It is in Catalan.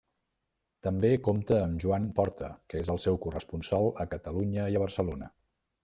També compta amb Joan Porta que és el seu corresponsal a Catalunya i a Barcelona.